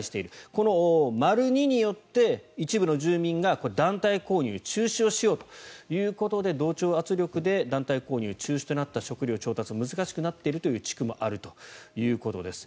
この丸２によって一部の住民が団体購入中止をしようということで同調圧力で団体購入中止となって食料調達が難しくなっている地区もあるということです。